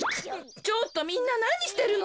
ちょっとみんななにしてるの？